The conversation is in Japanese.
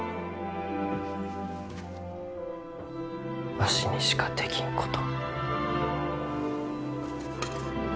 わしにしかできんこと。